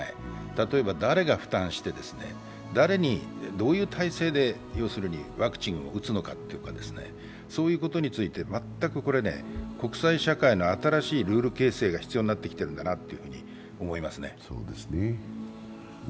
例えば誰が負担して、誰にどういう体制でワクチンを打つのかそういうことについて全く国際社会の新しいルール形成が必要になってきているんだなと思いますね。